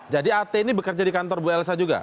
jadi at ini bekerja di kantor bu elsa juga